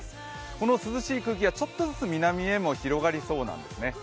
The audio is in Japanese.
この涼しい空気がちょっとずつ南へも広がりそうなんですね。